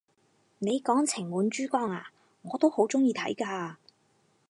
你講情滿珠江咓，我都好鍾意睇㗎！